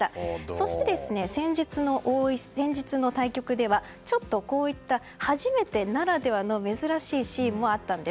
そして、先日の対局ではこういった初めてならではの珍しいシーンもあったんです。